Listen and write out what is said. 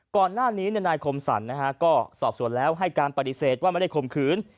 ก่อนหน้านี้นายคมสรรก็สอบส่วนแล้วให้การปฏิเสธว่าไม่ได้ข่มขืน